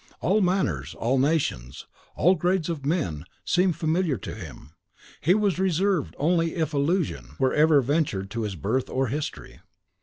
All manners, all nations, all grades of men, seemed familiar to him. He was reserved only if allusion were ever ventured to his birth or history.